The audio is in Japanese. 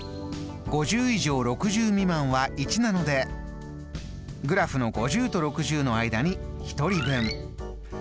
５０以上６０未満は１なのでグラフの５０と６０の間に１人分。